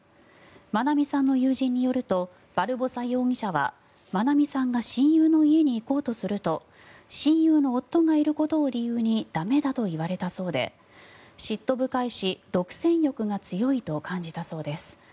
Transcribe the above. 愛美さんの友人によるとバルボサ容疑者は愛美さんが親友の家に行こうとすると親友の夫がいることを理由に駄目だと言われたそうで嫉妬深いし独占欲が強いと感じたそうです。